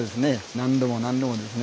何度も何度もですね